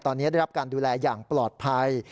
ตอนนี้ได้รับการดูแลอย่างปลอดภัย